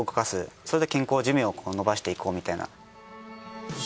それで健康寿命を伸ばしていこうみたいな。